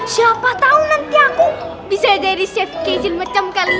siapa tahu nanti aku bisa jadi chef kecil macam kalian